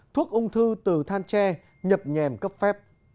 thuốc ung thư từ than tre nhập nhèm cấp phép